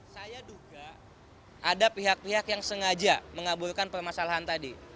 saya duga ada pihak pihak yang sengaja mengaburkan permasalahan tadi